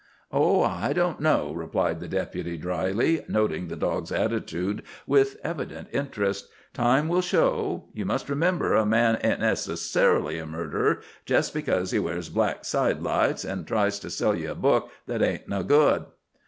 "Oh, I don't know," replied the Deputy drily, noting the dog's attitude with evident interest. "Time will show. Ye must remember a man ain't necessarily a murderer jest because he wears black side lights an' tries to sell ye a book that ain't no good."